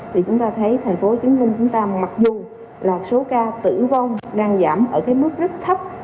thì chúng ta thấy thành phố hồ chí minh chúng ta mặc dù là số ca tử vong đang giảm ở cái mức rất thấp